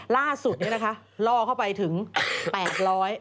ล่าสุดนี้นะคะล่อเข้าไปถึง๘๐๐บาท